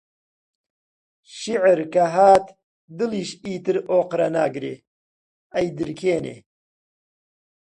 شیعر کە هات دڵیش ئیتر ئۆقرە ناگرێ، ئەیدرکێنێ